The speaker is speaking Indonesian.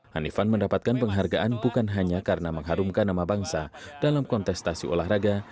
hanifan mendapatkan penghargaan bukan hanya karena mengharumkan nama bangsa dalam kontestasi olahraga